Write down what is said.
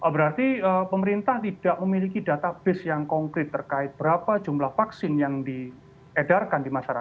berarti pemerintah tidak memiliki database yang konkret terkait berapa jumlah vaksin yang diedarkan di masyarakat